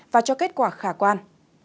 và cho kết quả khả quan